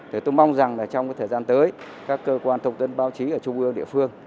thế tôi mong rằng trong thời gian tới các cơ quan thông tin báo chí ở trung ương địa phương